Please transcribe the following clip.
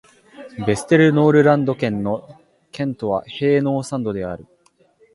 ヴェステルノールランド県の県都はヘーノーサンドである